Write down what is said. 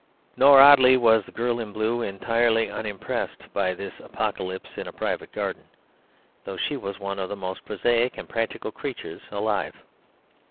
Nor, oddly, was the girl in blue entirely unimpressed by this apocalypse in a private garden; though she was one of most prosaic and practical creatures alive.